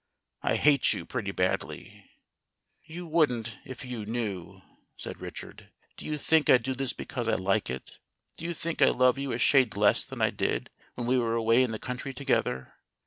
I hate you pretty badly." "You wouldn't if you knew," said Richard. "Do you think I do this because I like it? Do you think I love you a shade less than I did when we were away in the country together?